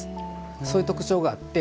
そういう特徴があって。